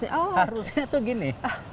harusnya tuh gini